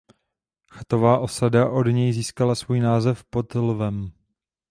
Chatová osada od něj získala svůj název "Pod lvem".